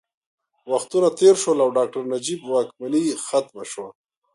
وختونه تېر شول او ډاکټر نجیب واکمني ختمه شوه